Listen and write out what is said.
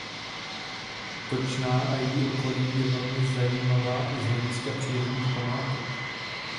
Točná a její okolí je velmi zajímavá i z hlediska přírodních památek.